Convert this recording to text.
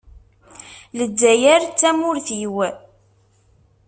Lezzayer d tamurt-iw.